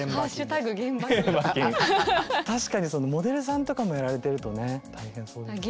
確かにモデルさんとかもやられてるとね大変そうですね。